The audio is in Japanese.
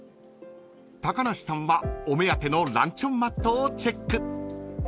［高梨さんはお目当てのランチョンマットをチェック］